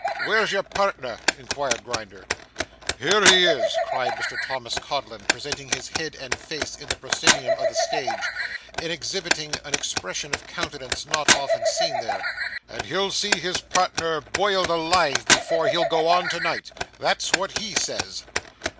'Where's your partner?' inquired Grinder. 'Here he is,' cried Mr Thomas Codlin, presenting his head and face in the proscenium of the stage, and exhibiting an expression of countenance not often seen there; 'and he'll see his partner boiled alive before he'll go on to night. That's what he says.